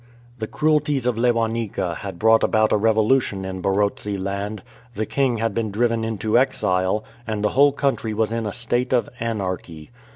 The cruelties of Lewanika had brought about a revolution in Barotseland ; the king had been driven into exile, and the whole country was in a state of anarchy.